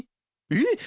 えっ！？